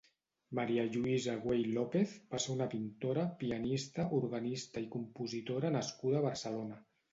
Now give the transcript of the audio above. Maria Lluïsa Güell López va ser una pintora, pianista, organista i compositora nascuda a Barcelona.